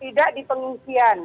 tidak di pengungsian